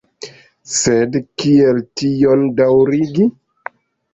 Sed kiel tion daŭrigi?